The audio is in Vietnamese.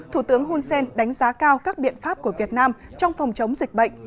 thủ tướng hun sen đánh giá cao các biện pháp của việt nam trong phòng chống dịch bệnh